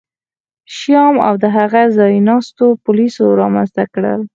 شیام او د هغه ځایناستو پولیس رامنځته کړل